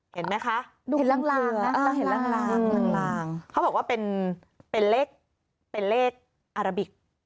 เห็นไหมคะดูภูมิเผือนะต้องเห็นล่างเขาบอกว่าเป็นเลขอาราบิก